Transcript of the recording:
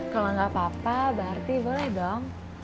kalau nggak apa apa berarti boleh dong